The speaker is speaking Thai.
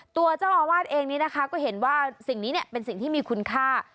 ตัวเจ้าอาวาสเองนี้นะคะก็เห็นว่าสิ่งนี้เป็นสิ่งที่มีคุณค่า